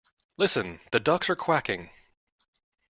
Listen! The ducks are quacking!